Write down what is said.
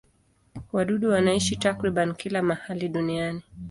Wadudu wanaishi takriban kila mahali duniani.